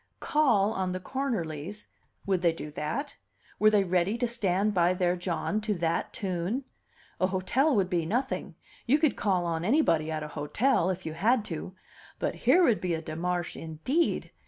Call on the Cornerlys! Would they do that? Were they ready to stand by their John to that tune? A hotel would be nothing; you could call on anybody at a hotel, if you had to; but here would be a demarche indeed!